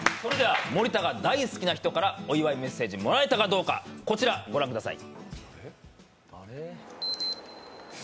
森田が大好きな人からお祝いメッセージもらえたかどうかこちらをご覧ください。